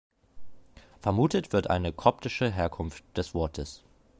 Vermutet wird eine koptische Herkunft des Wortes.